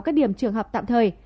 các điểm trường hợp tạm thời